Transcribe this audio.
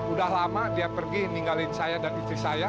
udah lama dia pergi ninggalin saya dan istri saya